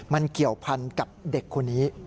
มันเกี่ยวพันกับเด็กคนนี้